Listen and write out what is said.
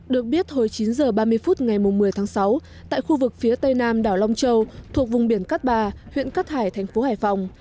được biết hồi chín h ba mươi phút ngày một mươi tháng sáu tại khu vực phía tây nam đảo long châu thuộc vùng biển cát bà huyện cát hải thành phố hải phòng